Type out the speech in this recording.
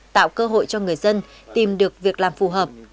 tạo cơ hội cho người dân tìm được việc làm phù hợp